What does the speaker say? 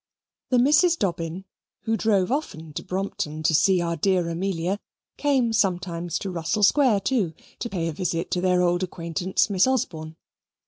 The Misses Dobbin, who drove often to Brompton to see our dear Amelia, came sometimes to Russell Square too, to pay a visit to their old acquaintance Miss Osborne.